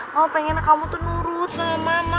mama pengennya kamu tuh nurut sama mama